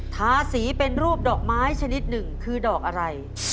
ทาสีเป็นรูปดอกไม้ชนิดหนึ่งคือดอกอะไร